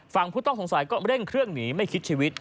ผู้ต้องสงสัยก็เร่งเครื่องหนีไม่คิดชีวิต